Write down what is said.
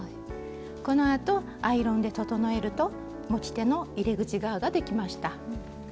このあとアイロンで整えると持ち手の入れ口側ができました。